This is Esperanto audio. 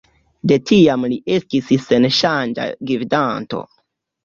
De tiam li estis senŝanĝa gvidanto.